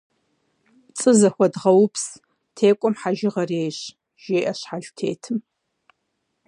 ПцӀы зэхуэдгъэупс, текӀуэм хьэжыгъэр ейщ, - жеӀэ щхьэлтетым.